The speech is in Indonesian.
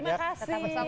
terima kasih banyak